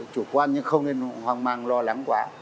chủ quan nhưng không nên hoang mang lo lắng quá